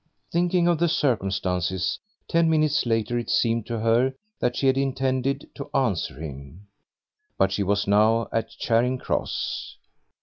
Thinking of the circumstances ten minutes later it seemed to her that she had intended to answer him. But she was now at Charing Cross.